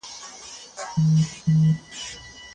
په قافله کي هيچا د هغه اهميت نه پيژندی.